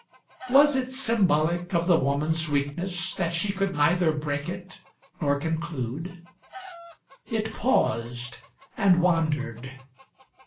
Was it symbolic of the woman's weakness That she could neither break itânor conclude? It paused .... and wandered